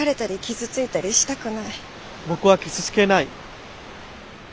僕は傷つけない。